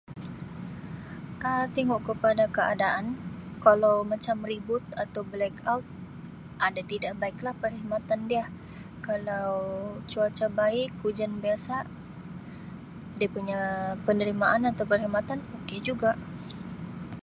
Um Tengok kepada keadaan, kalau macam ribut atau 'blackout' ada tidak baiklah perkhidmatan dia, kalau cuaca baik, hujan biasa dia punya penerimaan atau perkhidmatan okay juga.